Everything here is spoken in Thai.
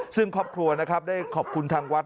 ซึ่งครอบครัวนะครับได้ขอบคุณทางวัด